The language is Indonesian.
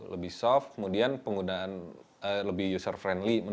lebih soft kemudian penggunaan lebih user friendly